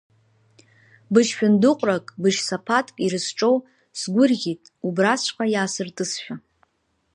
Быжь-шәындыҟәрак, быжь-саԥаҭк ирызҿо, сгәырӷьеит, убраҵәҟьа иаасыртызшәа!